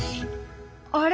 あれ？